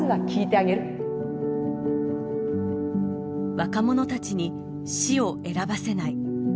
若者たちに死を選ばせない。